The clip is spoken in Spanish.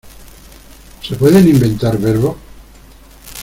¿Se pueden inventar verbos?